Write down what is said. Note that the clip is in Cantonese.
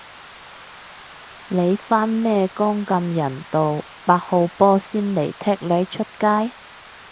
你返咩工咁人道，八號波先嚟踢你出街